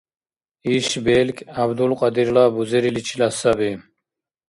Иш белкӀ ГӀябдулкьадирла бузериличила саби.